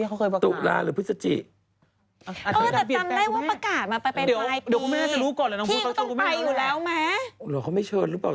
อย่ามาสิเขารู้ไง